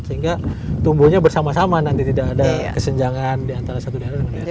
sehingga tumbuhnya bersama sama nanti tidak ada kesenjangan di antara satu daerah dan negara